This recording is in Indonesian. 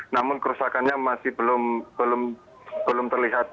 namun kerusakannya masih belum terlihat